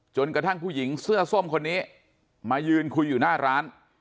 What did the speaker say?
กระทั่งผู้หญิงเสื้อส้มคนนี้มายืนคุยอยู่หน้าร้าน